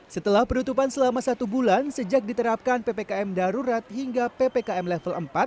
setelah penutupan selama satu bulan sejak diterapkan ppkm darurat hingga ppkm level empat